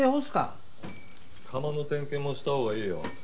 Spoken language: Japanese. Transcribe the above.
釜の点検もしたほうがいいよ。